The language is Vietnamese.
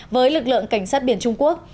với lực lượng cảnh sát biển trung quốc